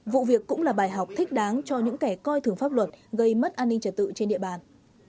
vụ việc cũng là bài học thích đáng cho những kẻ coi thường pháp luật gây mất an ninh trật tự trên địa bàn